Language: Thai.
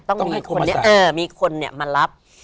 ต้องมีคนมารับ